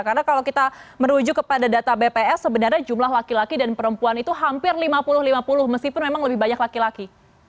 karena kalau kita merujuk kepada data bps sebenarnya jumlah laki laki dan perempuan itu hampir lima puluh lima puluh meskipun memang lebih banyak laki laki